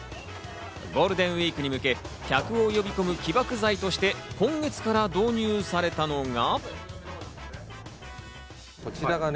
ゴールデンウイークに向け客を呼び込む起爆剤として、今月から導入されたのが。